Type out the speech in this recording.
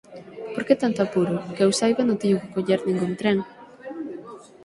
Por que tanto apuro? Que eu saiba, non teño que coller ningún tren.